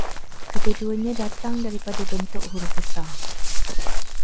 Kedua-duanya datang daripada bentuk huruf besar